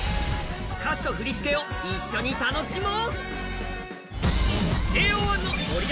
歌詞と振り付けを一緒に楽しもう！